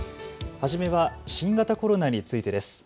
初めは新型コロナについてです。